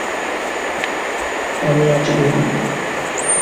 অবশ্য, ব্যাটিংয়ের কারণে তিনি প্রসিদ্ধ ছিলেন না।